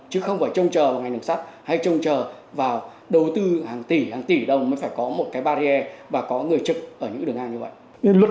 chứ không phải trông chờ vào ngành đường sắt hay trông chờ vào đầu tư hàng tỷ hàng tỷ đồng mới phải có một cái barrier và có người trực ở những đường ngang như vậy